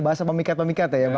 bahasa memikat memikat ya ya pak